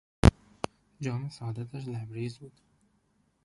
جام سعادتش لبریز بود.